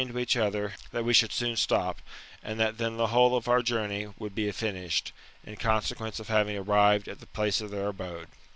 54 THE METAMORPHOSIS, OR each Other, that we should soon stop, and that then the whole of our journey would be finished, in consequence of having ar rived at the place of their abode.